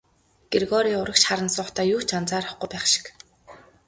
Грегори урагш харан суухдаа юу ч анзаарахгүй байх шиг.